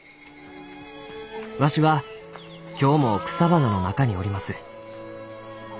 わしは今日も草花の中におります。